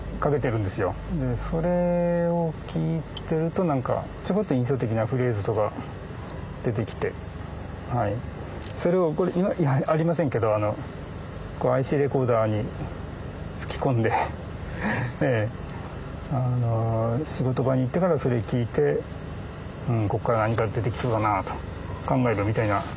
それを聴いてると何かちょこっと印象的なフレーズとか出てきてそれをこれ今はありませんけどＩＣレコーダーに吹き込んで仕事場に行ってからそれ聴いてここから何か出てきそうだなと考えるみたいな。